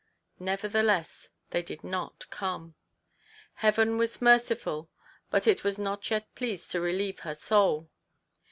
Nevertheless they did not come. Heaven was merciful, but it was not yet pleased to relieve her soul.